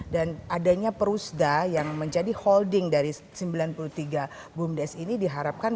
dan adanya perusda yang menjadi holding dari sembilan puluh tiga gumdes ini diharapkan